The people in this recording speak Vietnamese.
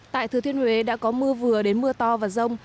tại thừa thiên huế đã có mưa vừa đến mưa to và rông